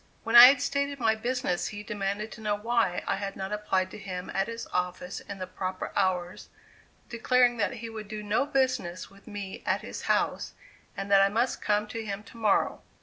When I had stated my business, he demanded to know why I had not applied to him at his office in the proper hours, declaring that he would do no business with me at his house, and that I must come to him to morrow.